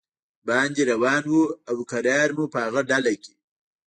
باندې روان و او کرار مو په هغه ډله کې.